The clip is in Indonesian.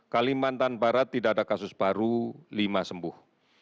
kalimantan barat tidak ada kasus baru lima sembuh